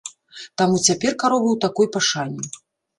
Таму цяпер каровы ў такой пашане.